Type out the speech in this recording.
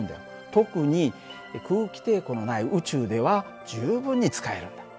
特に空気抵抗のない宇宙では十分に使えるんだ。